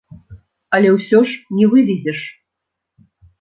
Але ўсё ж не вывезеш.